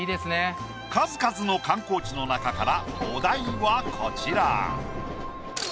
数々の観光地の中からお題はこちら。